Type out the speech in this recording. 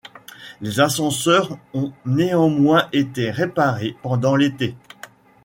Les ascenseurs ont néanmoins été réparés pendant l'été.